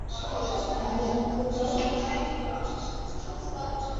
有了房子就是有一个家